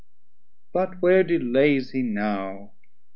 But where delays he now?